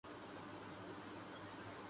ہی لیکن ساتھ ساتھ ہونہار بھی ہیں۔